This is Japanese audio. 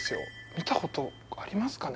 見たことありますかね？